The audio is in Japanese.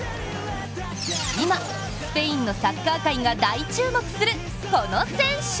今、スペインのサッカー界が大注目するこの選手。